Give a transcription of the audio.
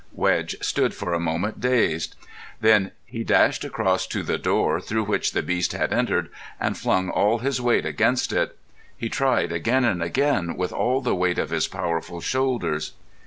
Wedge stood for a moment dazed. Then he dashed across to the door through which the beast had entered, and flung all his weight against it. He tried again and again with all the weight of his powerful shoulders.